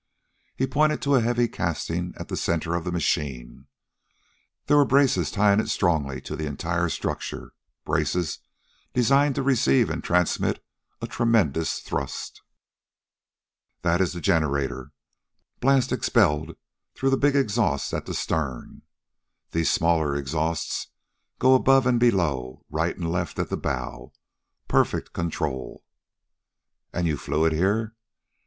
He pointed to a heavy casting at the center of the machine. There were braces tying it strongly to the entire structure, braces designed to receive and transmit a tremendous thrust. "This is the generator. Blast expelled through the big exhaust at the stern. These smaller exhausts go above and below right and left at the bow. Perfect control!" "And you flew it here!"